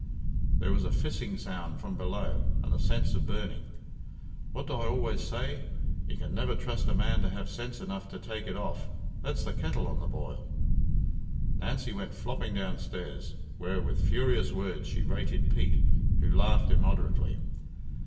There was a fissing sound from below, and a sense of burning. "What do I always say? You can never trust a man to have sense enough to take it off. That's the kettle on the boil." Nancy went flopping downstairs, where with furious words she rated Pete, who laughed immoderately.